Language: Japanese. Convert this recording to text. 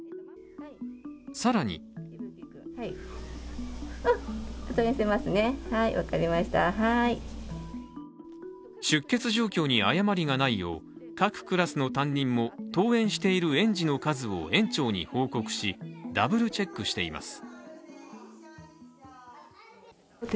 更に出欠状況に誤りがないよう各クラスの担任も、登園している園児の数を園長に報告し、ダブルチェックしています。